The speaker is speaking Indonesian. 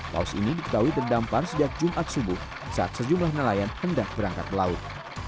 paus ini diketahui terdampar sejak jumat subuh saat sejumlah nelayan hendak berangkat ke laut